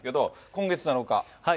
今月７日。